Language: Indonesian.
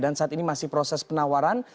dan saat ini masih proses penawaran